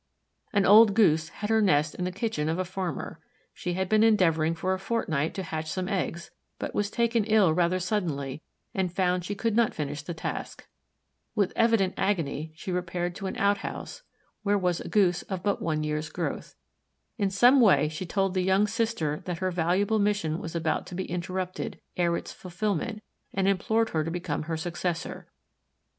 An old Goose had her nest in the kitchen of a farmer. She had been endeavoring for a fortnight to hatch some eggs, but was taken ill rather suddenly and found she could not finish the task. With evident agony she repaired to an outhouse where was a Goose of but one year's growth. In some way she told the young sister that her valuable mission was about to be interrupted ere its fulfillment and implored her to become her successor.